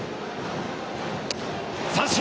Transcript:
三振！